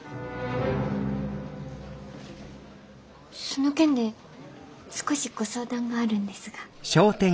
その件で少しご相談があるんですが。